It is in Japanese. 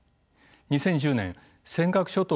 ２０１０年尖閣諸島